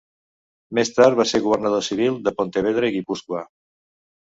Més tard va ser governador civil de Pontevedra i Guipúscoa.